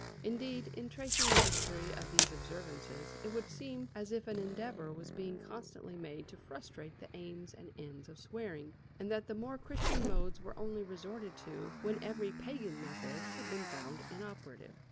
Indeed, in tracing the history of these observances it would seem as if an endeavour was being constantly made to frustrate the aims and ends of swearing, and that the more Christian modes were only resorted to when every pagan method had been found inoperative.